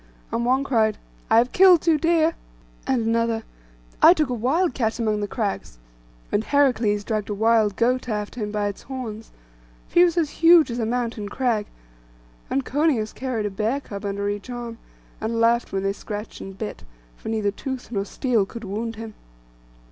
And one cried, 'I have killed two deer;' and another, 'I took a wild cat among the crags;' and Heracles dragged a wild goat after him by its horns, for he was as huge as a mountain crag; and Coeneus carried a bear cub under each arm, and laughed when they scratched and bit, for neither tooth nor steel could wound him.